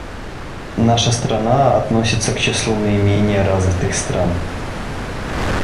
Наша страна относится к числу наименее развитых стран.